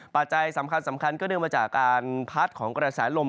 ปัจจัยสำคัญก็เนื่องมาจากการพัดของกระแสลม